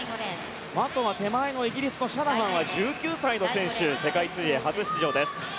あとは手前のイギリスのシャナハンは１９歳の選手世界水泳初出場です。